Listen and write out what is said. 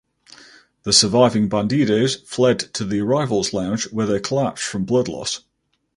The surviving Bandidos fled to the arrivals lounge where they collapsed from blood loss.